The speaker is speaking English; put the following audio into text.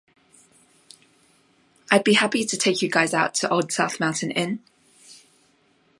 I'd be happy to take you guys out to Old South Mountain Inn